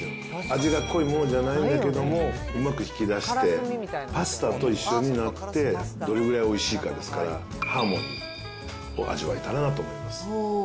味が濃いものじゃないんだけども、うまく引き出して、パスタと一緒になって、どれぐらいおいしいかですから、ハーモニーを味わいたいなと思います。